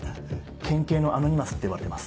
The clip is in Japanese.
「県警のアノニマス」って呼ばれてます。